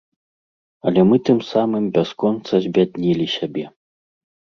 Але мы тым самым бясконца збяднілі сябе.